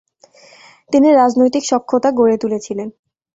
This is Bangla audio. তিনি রাজনৈতিক সখ্যতা গড়ে তুলেছিলেন।